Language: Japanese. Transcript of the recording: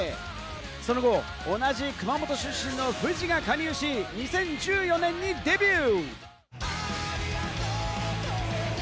その後、同じ熊本出身のＦＵＪＩが加入し、２０１４年にデビュー。